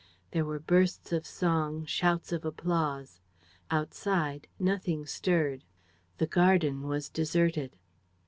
There were bursts of song, shouts of applause. Outside, nothing stirred. The garden was deserted.